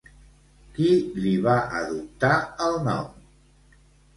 Qui li va adoptar el nom?